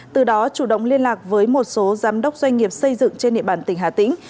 từ đó chủ động liên lạc với một số giám đốc doanh nghiệp xây dựng trên địa bàn tỉnh hà tĩnh